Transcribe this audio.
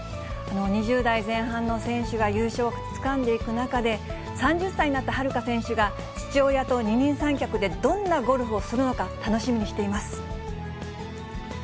２０代前半の選手が優勝をつかんでいく中で、３０歳になった遥加選手が、父親と二人三脚で、どんなゴルフをするのか、楽しみにしています。